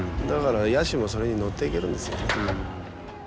だから野手もそれに乗っていけるんですよね。